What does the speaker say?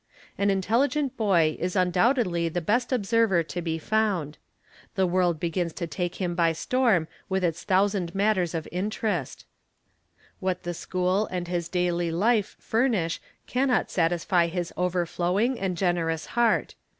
ie An intelligent boy is undoubtedly the best observer to be found. ~The world begins to take him by storm with its thousand matters of interest; what the school and his daily life furnish cannot satisfy his _ overflowing and generous heart.